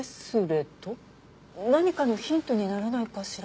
何かのヒントにならないかしら？